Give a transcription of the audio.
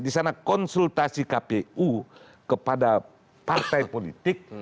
disana konsultasi kpu kepada partai politik